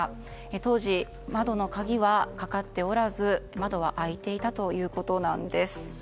当時、窓の鍵はかかっておらず窓は開いていたということです。